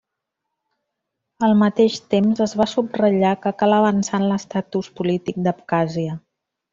Al mateix temps, es va subratllar que cal avançar en l'estatus polític d'Abkhàzia.